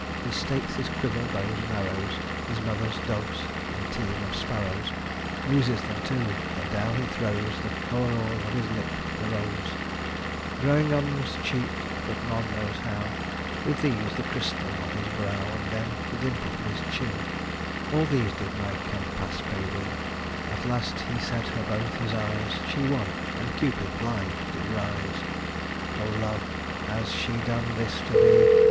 He stakes his quiver, bow and arrows, His mother's doves, and teeme of sparrows, Looses them too; then downe he throwes The coerall of his lippe, the rose Growing on's cheek (but none knows how), With these, the crystal of his brow, And then the dimple of his chin; All these did my Campaspe winne; At last hee set her both his eyes; She won, and Cupid blind did rise. O love! has she done this to thee?